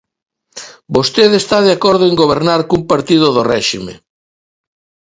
Vostede está de acordo en gobernar cun partido do réxime.